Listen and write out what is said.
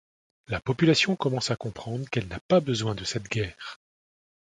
La population commence à comprendre qu'elle n'a pas besoin de cette guerre.